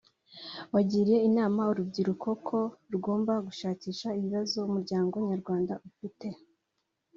wagiriye inama urubyiruko ko rugomba gushakisha ibibazo umuryango nyarwanda ufite